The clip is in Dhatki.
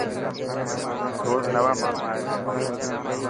روز نوا ماڻهو آئي پيا.